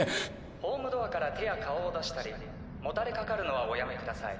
ホームドアから手や顔を出したりもたれかかるのはおやめください。